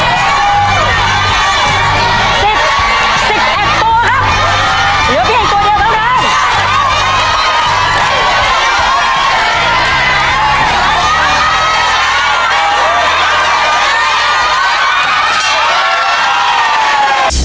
๑๐แอดตัวครับเดี๋ยวเปลี่ยนตัวเดียวครับ